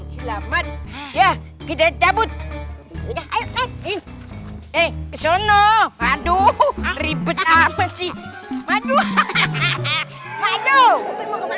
selamat ya kita cabut udah ayo nih eh kesana aduh ribet amat sih madu hahaha